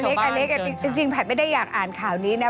เล็กจริงผัดไม่ได้อยากอ่านข่าวนี้นะ